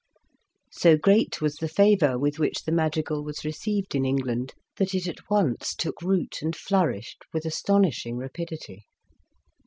So great was the favour with which the madrigal was received in England that it at once took root and flourished with astonishing rapidity.